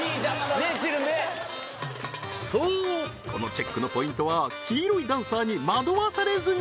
そうこのチェックのポイントは黄色いダンサーに惑わされずに